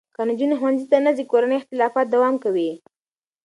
که نجونې ښوونځي ته نه ځي، کورني اختلافات دوام کوي.